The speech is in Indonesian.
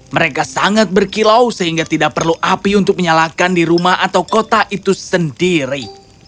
mereka sangat berkilau sehingga tidak perlu api untuk menyalakan di rumah atau kota itu sendiri